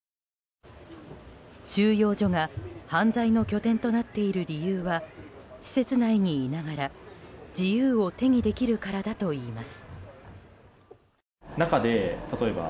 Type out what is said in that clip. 収容所が犯罪の拠点となっている理由は施設内にいながら、自由を手にできるからだといいます。